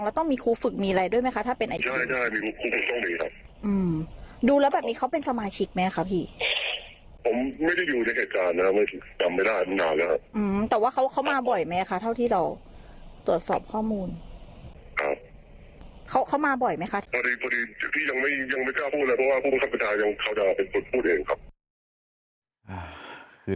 ยังไม่กล้าพูดเลยเพราะว่าผู้สัมภิษฐายังเข้าจากเป็นคนพูดเองครับ